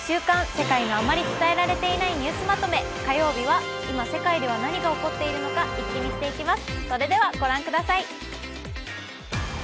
世界のあまり伝えられていないニュースまとめ」火曜日は今世界では何が起こっているのか一気見していきます。